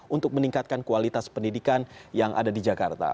untuk meningkatkan kualitas pendidikan yang ada di jakarta